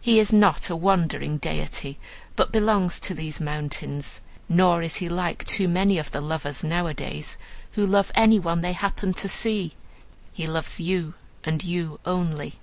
He is not a wandering deity, but belongs to these mountains. Nor is he like too many of the lovers nowadays, who love any one they happen to see; he loves you, and you only.